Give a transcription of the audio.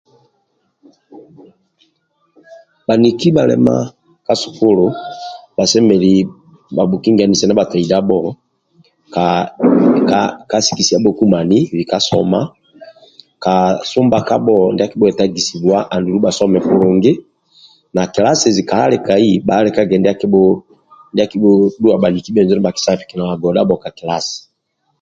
Bhaniki bhalema ka sukulu bhasemelelu bhabhukingese na bhataidabho ka haa sikisiabhokumani lika soma ka sumbakabho ndia akibhuetagisibwa andulu bhasome kulungi na kilasezi bha alikage ndia akibhu ndia abhudhua bhaniki nibhakisobola godhabho ka kilasi